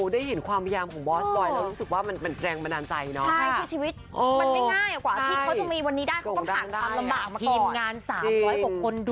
ได้เห็นความพยายามของบอสบอย